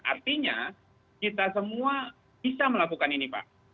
artinya kita semua bisa melakukan ini pak